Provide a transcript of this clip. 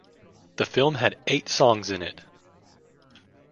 The film had eight songs in it.